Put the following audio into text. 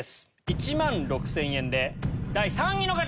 １万６０００円で第３位の方！